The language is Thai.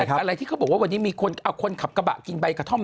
แต่อะไรที่เขาบอกว่าวันนี้มีคนเอาคนขับกระบะกินใบกระท่อม